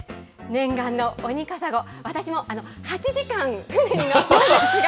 そして、念願のオニカサゴ、私も８時間船に乗っていたんですが。